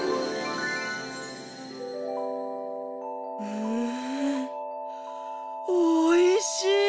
うんおいしい！